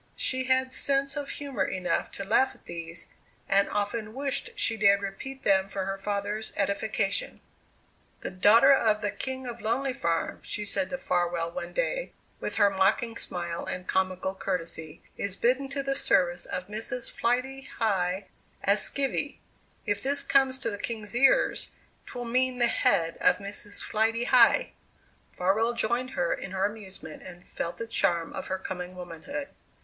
She had sense of humour enough to laugh at these, and often wished she dared repeat them for her father's edification. "The daughter of the King of Lonely Farm," she said to Farwell one day with her mocking smile and comical courtesy "is bidden to the service of Mrs. Flighty High as skivvy. If this comes to the king's ears, 'twill mean the head of Mrs. Flighty High!" Farwell joined her in her amusement and felt the charm of her coming womanhood.